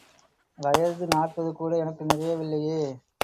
வயது நாற்பது கூட எனக்கு நிறையவில்லையே.